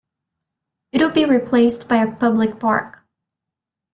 It will be replaced by a public park.